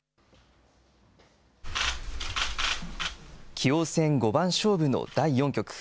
棋王戦五番勝負の第４局。